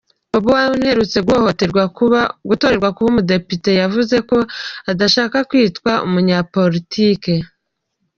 Bob Wine uherutse gutorerwa kuba umudepite yavuze ko adashaka kwitwa umunyapolitiki.